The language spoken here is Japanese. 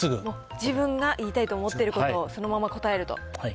自分が言いたいと思ってることをそのまま答えると？